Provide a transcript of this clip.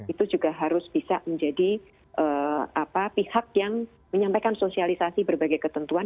itu juga harus bisa menjadi pihak yang menyampaikan sosialisasi berbagai ketentuan